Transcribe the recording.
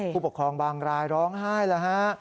ผู้ปกครองบางรายร้องไห้แล้วฮะ